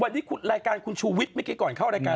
วันนี้รายการคุณชูวิทย์เมื่อกี้ก่อนเข้ารายการ